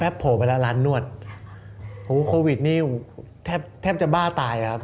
โผล่ไปแล้วร้านนวดหูโควิดนี่แทบแทบจะบ้าตายครับ